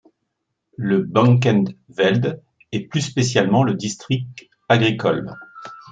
Le Banken-Veld est plus spécialement le district agricole.